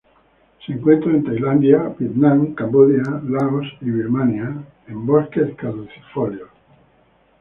Se encuentra en Tailandia, Vietnam, Camboya, Laos y Birmania en bosques caducifolios.